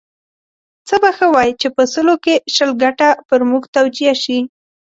څه به ښه وای چې په سلو کې شل ګټه پر موږ توجیه شي.